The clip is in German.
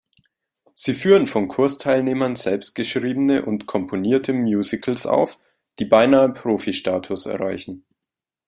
Sie führen von Kursteilnehmern selbstgeschriebene und -komponierte Musicals auf, die beinahe Profistatus erreichen.